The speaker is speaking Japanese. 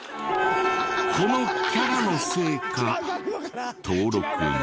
このキャラのせいか登録なし。